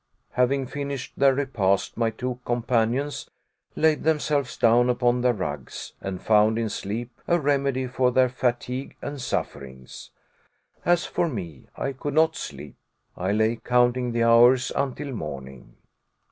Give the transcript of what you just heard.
Having finished their repast, my two companions laid themselves down upon their rugs, and found in sleep a remedy for their fatigue and sufferings. As for me, I could not sleep, I lay counting the hours until morning.